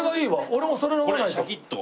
俺もそれ飲まないと。